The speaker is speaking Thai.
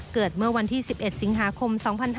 เกิดเมื่อวันที่๑๑สิงหาคม๒๕๕๙